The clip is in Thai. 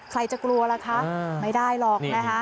ใครจะกลัวล่ะคะไม่ได้หรอกนะคะ